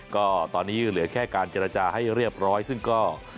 ก็ตอนนี้เหลือแค่การเจรจาให้เรียบร้อยซึ่งก็